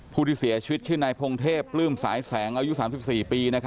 ผู้ที่เสียชีวิตชื่อนายพงเทพปลื้มสายแสงอายุ๓๔ปี